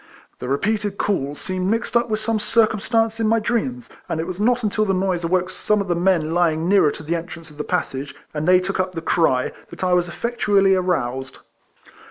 The repeated call seemed 156 RECOLLECTIONS OF mixed up with some circumstance in my dreams; and it was not until the noise awoke some of the men lying nearer to the entrance of the passage, and they took up the cry, that I was effectually aroused.